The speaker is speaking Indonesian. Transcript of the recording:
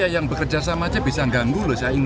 yang bekerjasama saja bisa mengganggu